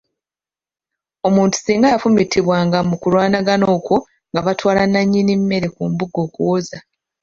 Omuntu singa yafumitiwanga mu kulwanagana okwo nga batwala nnannyini mmere ku mbuga okuwoza.